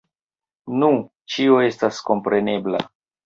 Nu, ĉio estas komprenebla.